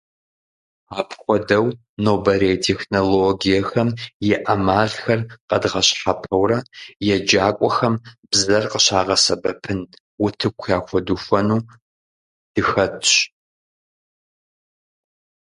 Апхуэдэу, нобэрей технологиехэм и Ӏэмалхэр къэдгъэщхьэпэурэ еджакӀуэхэм бзэр къыщагъэсэбэпын утыку яхуэдухуэну дыхэтащ.